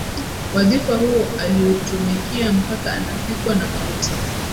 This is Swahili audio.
Wadhifa huo aliutumikia mpaka anafikwa na mauti